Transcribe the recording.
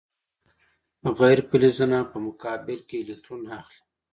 غیر فلزونه په مقابل کې الکترون اخلي.